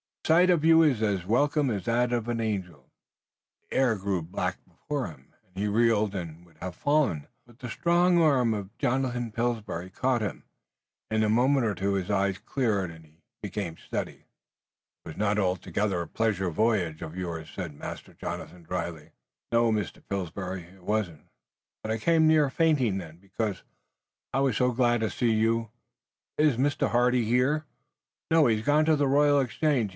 The sight of you is as welcome as that of an angel!" The air grew black before him, and he reeled and would have fallen, but the strong arm of Jonathan Pillsbury caught him. In a moment or two his eyes cleared and he became steady. "It was not altogether a pleasure voyage of yours," said Master Jonathan, dryly. "No, Mr. Pillsbury, it wasn't. But I came near fainting then, because I was so glad to see you. Is Mr. Hardy here?" "No, he has gone to the Royal Exchange.